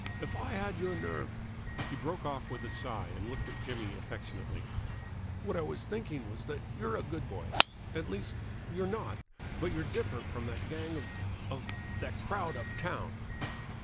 If I had your nerve !" He broke off with a sigh and looked at Jimmy affectionately. "What I was thinking was that you're a good boy. At least, you're not, but you're different from that gang of of that crowd up town."